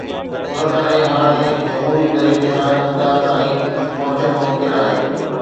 ان ڪري هاڻي جمهوري طريقي سان اقتدار تائين پهچڻ ممڪن آهي.